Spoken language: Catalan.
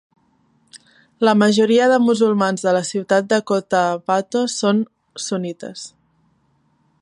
La majoria de musulmans de la ciutat de Cotabato són sunnites.